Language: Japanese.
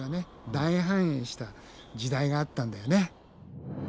大繁栄した時代があったんだよね。